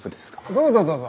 どうぞどうぞ。